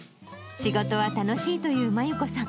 仕事は楽しいという真裕子さん。